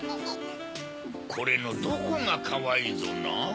これのどこがかわいいぞな？